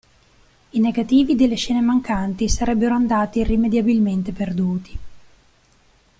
I negativi delle scene mancanti sarebbero andati irrimediabilmente perduti.